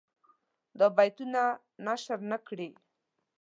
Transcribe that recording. دا بیتونه نشر نه کړي.